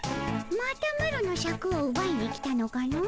またマロのシャクをうばいに来たのかの？